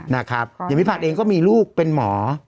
นะครับอย่างวิภัทรเองก็มีลูกเป็นหมอ